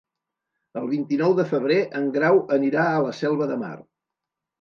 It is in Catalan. El vint-i-nou de febrer en Grau anirà a la Selva de Mar.